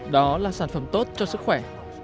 đó là sản phẩm của cây